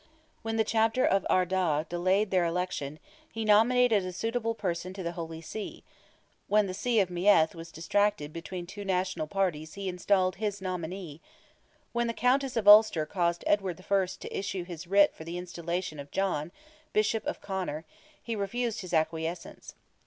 When the Chapter of Ardagh delayed their election, he nominated a suitable person to the Holy See; when the See of Meath was distracted between two national parties he installed his nominee; when the Countess of Ulster caused Edward I. to issue his writ for the installation of John, Bishop of Conor, he refused his acquiescence.